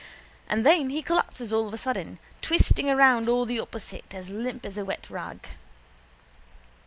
And then he collapses all of a sudden, twisting around all the opposite, as limp as a wet rag.